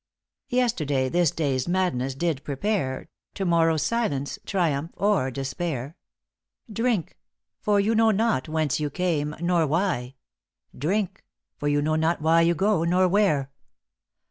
* Yesterday This Day's Madness did prepare: To morrow's Silence, Triumph, or Despair. Drink! for you know not whence you came, nor why. Drink! for you know not why you go, nor where.